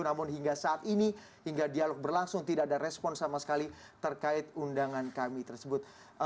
namun hingga saat ini hingga dialog berlangsung tidak ada respon sama sekali terkait undangan kami tersebut